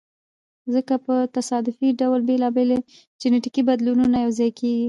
ځکه په تصادفي ډول بېلابېل جینټیکي بدلونونه یو ځای کیږي.